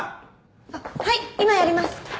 あっはい今やります！